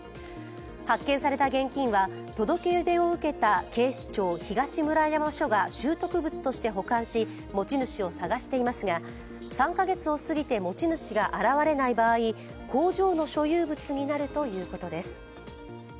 発見された現金は届け出を受けた警視庁東村山署が拾得物として保管し、持ち主を捜していますが３カ月を過ぎて、持ち主が現れない場合工場の所有物になるということです。